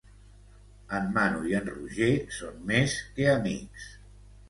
En Manu i en Roger són més que amics.